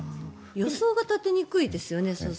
予想が立てにくいですよね。